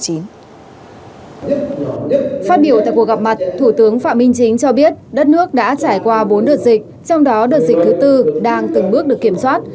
phát biểu tại cuộc gặp mặt thủ tướng phạm minh chính cho biết đất nước đã trải qua bốn đợt dịch trong đó đợt dịch thứ tư đang từng bước được kiểm soát